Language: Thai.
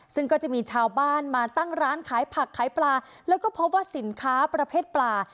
ซึ่งก็จะมีชาวบ้านมาตั้งร้านขายผักขายปลาแล้วก็พบว่าสินค้าประเภทปลา